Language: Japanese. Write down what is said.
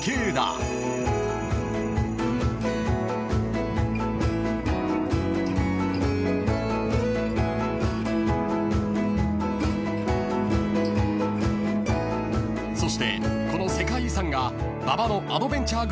［そしてこの世界遺産が馬場のアドベンチャーグルメの舞台となる］